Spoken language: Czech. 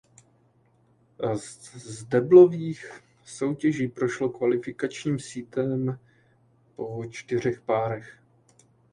Z deblových soutěží prošlo kvalifikačním sítem po čtyřech párech.